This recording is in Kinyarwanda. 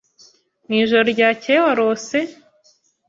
Mwijoro ryakeye warose?